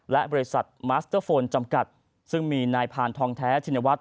และบริษัทมาสเตอร์โฟนจำกัดซึ่งมีนายพานทองแท้ชินวัฒน